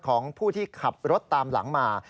ของผู้ที่ขับรถตามหลังมา